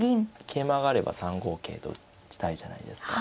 桂馬があれば３五桂と打ちたいじゃないですか。